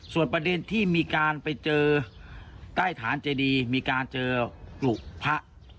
ส่วนประเด็นที่มีการไปเจอใต้ฐานเจดีมีการเจอกรุพระ